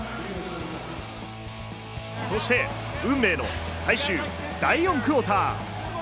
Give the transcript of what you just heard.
そして運命の最終第４クオーター。